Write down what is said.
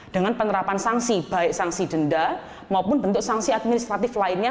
dengan penerapan sanksi baik sanksi denda maupun bentuk sanksi administratif lainnya